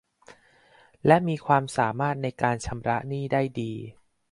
และมีความสามารถในการชำระหนี้ได้ดี